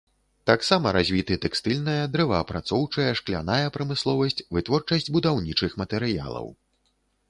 Таксама развіты тэкстыльная, дрэваапрацоўчая, шкляная прамысловасць, вытворчасць будаўнічых матэрыялаў.